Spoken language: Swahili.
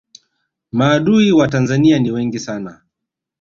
maadui wa tanzania ni wengi sana